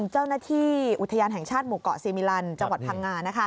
เจ้าหน้าที่อุทยานแห่งชาติหมู่เกาะซีมิลันจังหวัดพังงา